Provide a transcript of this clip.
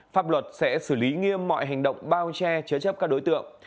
pháp luật sẽ xử lý nghiêm mọi hành động bao che chế chấp các đối tượng